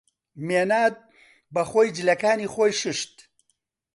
مێناد بەخۆی جلەکانی خۆی شووشت.